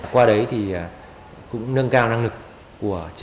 qua đấy thì cũng nâng cao năng lực của công ty